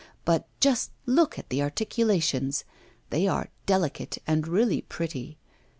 But just look at the articulations, they are delicate and really pretty.